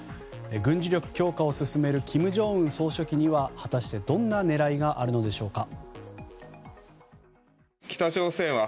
軍事力強化を進める金正恩総書記には果たして、どんな狙いがあるのでしょうか。